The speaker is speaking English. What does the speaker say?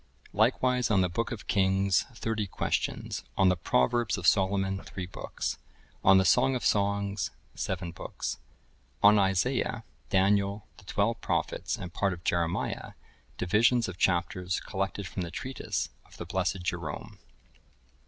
Likewise on the Book of Kings, thirty Questions.(1047) On the Proverbs of Solomon, three books. On the Song of Songs, seven books. On Isaiah, Daniel, the twelve Prophets, and Part of Jeremiah, Divisions of Chapters, collected from the Treatise of the blessed Jerome.